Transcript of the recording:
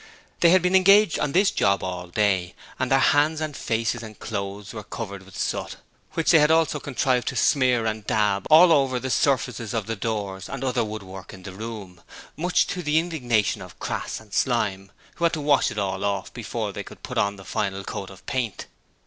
They had been engaged on this job all day, and their hands and faces and clothes were covered with soot, which they had also contrived to smear and dab all over the surfaces of the doors and other woodwork in the room, much to the indignation of Crass and Slyme, who had to wash it all off before they could put on the final coat of paint.